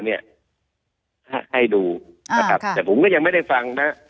ให้ดูแต่ก็ผมก็ยังไม่ได้ฟังนะ